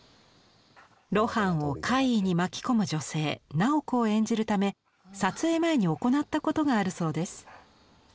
露伴を怪異に巻き込む女性楠宝子を演じるため撮影前に行ったことがあるそうです。